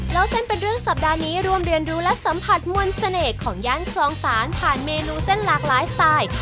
เล่าเส้นเป็นเรื่องสัปดาห์นี้รวมเรียนรู้และสัมผัสมวลเสน่ห์ของย่านคลองศาลผ่านเมนูเส้นหลากหลายสไตล์